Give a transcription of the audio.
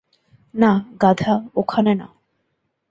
না, গাধা, ওখানে না!